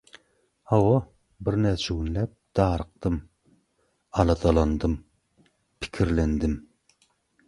Hawa, birnäçe günläp darykdym, aladalandym, pikirlendim;